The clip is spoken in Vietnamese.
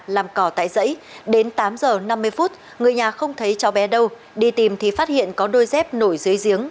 làm cỏ tại dãy đến tám giờ năm mươi phút người nhà không thấy cháu bé đâu đi tìm thì phát hiện có đôi dép nổi dưới giếng